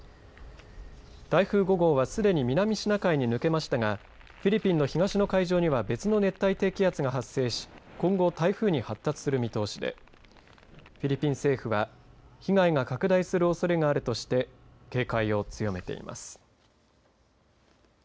台風５号は、すでに南シナ海に抜けましたがフィリピンの東の海上には別の熱帯低気圧が発生し今後、台風に発達する見通しでフィリピン政府は被害が拡大するおそれがあるとして警戒を強めています。